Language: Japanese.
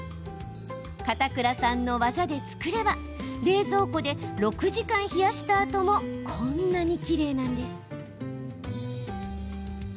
片倉さんの技で作れば冷蔵庫で６時間冷やしたあとでもこんなにきれいなんです。